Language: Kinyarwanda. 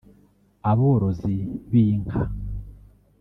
aborozi b’inka